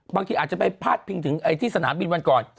บางทีอาจจะไปพาดพิงถึงที่สนามบินวันก่อน